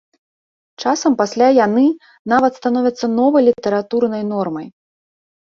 Часам пасля яны нават становяцца новай літаратурнай нормай.